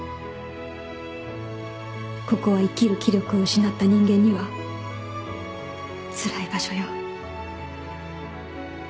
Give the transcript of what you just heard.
ここは生きる気力を失った人間にはつらい場所よ。